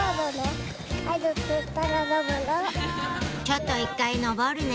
「ちょっと１回上るね」